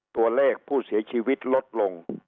ตัวเลขผู้เสียชีวิตลดลง